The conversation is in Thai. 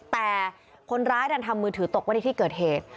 แต่คนร้ายดันทำมือถือตกไว้ในที่เกิดเหตุ